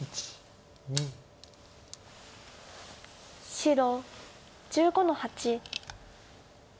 白１５の八。